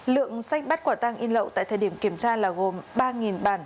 lượng sách bắt quả tang in lậu tại thời điểm kiểm tra là gồm ba bản